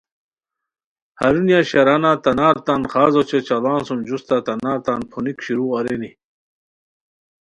ہرونیہ شرانہ تنار تان خاز اوچے چاڑان سُم جوستہ تنار تان پھونیک شروع ارینی